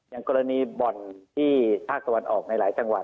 อย่างกรณีบ่อนที่ภาคตะวันออกในหลายจังหวัด